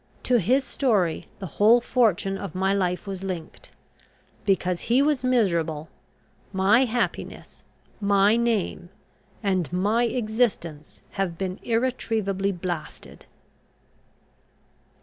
To his story the whole fortune of my life was linked: because he was miserable, my happiness, my name, and my existence have been irretrievably blasted.